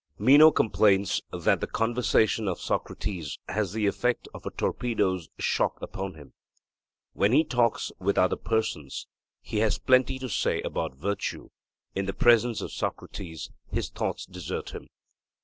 Meno complains that the conversation of Socrates has the effect of a torpedo's shock upon him. When he talks with other persons he has plenty to say about virtue; in the presence of Socrates, his thoughts desert him.